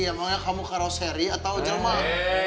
yang mana kamu karoseri atau jemaah